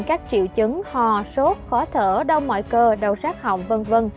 các triệu chứng hò sốt khó thở đau mỏi cơ đầu sát hỏng v v